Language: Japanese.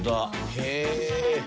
へえ。